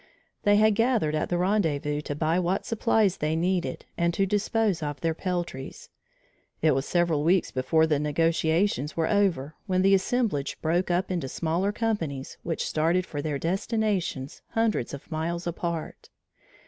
They had gathered at the rendezvous to buy what supplies they needed and to dispose of their peltries. It was several weeks before the negotiations were over, when the assemblage broke up into smaller companies which started for their destinations hundreds of miles apart.